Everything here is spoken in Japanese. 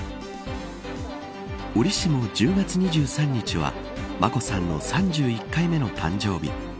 折しも１０月２３日は眞子さんの３１回目の誕生日。